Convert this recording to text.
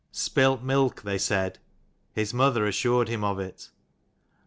PILT milk, they said. His mother assured him of it.